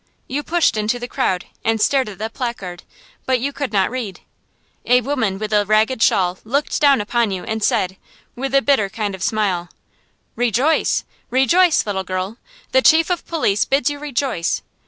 You pushed into the crowd, and stared at the placard, but you could not read. A woman with a ragged shawl looked down upon you, and said, with a bitter kind of smile, "Rejoice, rejoice, little girl! The chief of police bids you rejoice.